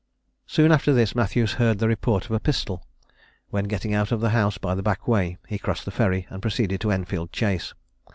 Soon after this Matthews heard the report of a pistol; when getting out of the house by the back way, he crossed the ferry, and proceeded to Enfield Chase.